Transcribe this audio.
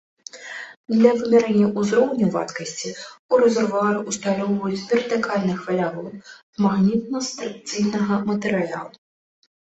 Для вымярэння ўзроўню вадкасці, у рэзервуары усталёўваюць вертыкальны хвалявод з магнітастрыкцыйнага матэрыялу.